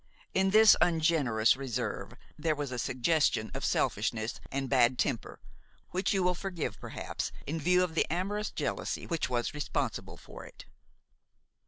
In this ungenerous reserve there was a suggestion of selfishness and bad temper which you will forgive perhaps in view of the amorous jealousy which was responsible for it.